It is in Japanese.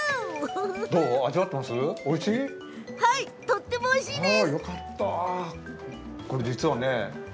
とってもおいしいです。